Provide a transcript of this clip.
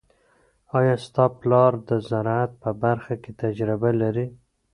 آیا ستا پلار د زراعت په برخه کې تجربه لري؟